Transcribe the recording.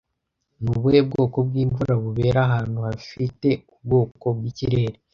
Ni ubuhe bwoko bw'imvura bubera ahantu hafite ubwoko bwikirere